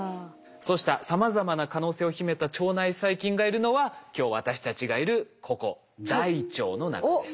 そうしたさまざまな可能性を秘めた腸内細菌がいるのは今日私たちがいるここ大腸の中です。